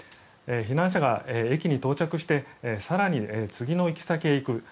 避難者が駅に到着して更に次の行き先に行く。